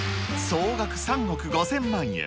総額３億５０００万円。